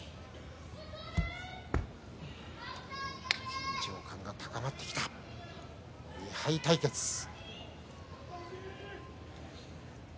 緊張感が高まってきました２敗対決です。